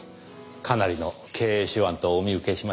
かなりの経営手腕とお見受けしました。